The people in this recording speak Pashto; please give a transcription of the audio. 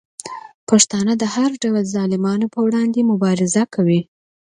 پښتانه د هر ډول ظالمانو په وړاندې مبارزه کوي.